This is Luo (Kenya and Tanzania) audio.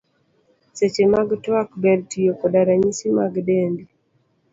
Seche mag twak, ber tiyo koda ranyisi mag dendi.